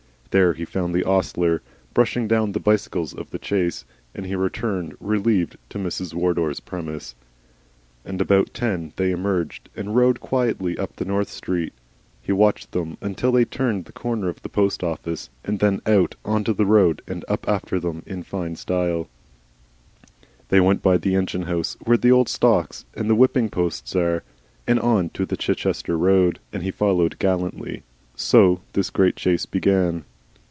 There he found the ostler (How are the mighty fallen in these decadent days!) brushing down the bicycles of the chase, and he returned relieved to Mrs. Wardor's premises. And about ten they emerged, and rode quietly up the North Street. He watched them until they turned the corner of the post office, and then out into the road and up after them in fine style! They went by the engine house where the old stocks and the whipping posts are, and on to the Chichester road, and he followed gallantly. So this great chase began.